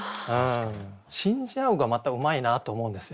「信じ合ふ」がまたうまいなと思うんですよ。